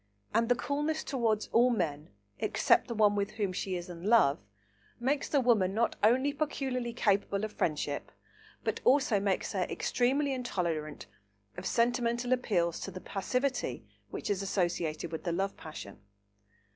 And the coolness towards all men except the one with whom she is in love makes a woman not only peculiarly capable of friendship, but also makes her extremely intolerant of sentimental appeals to the passivity which is associated with the love passion.